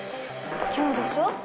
今日でしょ？